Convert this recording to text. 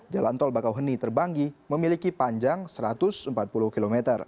jalan tol bakauheni terbanggi memiliki panjang satu ratus empat puluh km